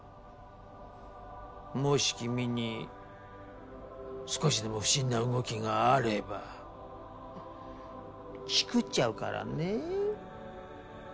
もし君に少しでも不審な動きがあればチクっちゃうからね。